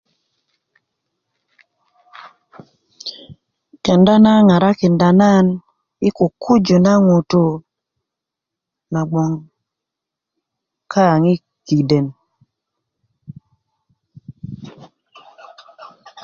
kenda na ŋarakinda nan yi kukuju na ŋutuu nagon kaaŋ yi kiden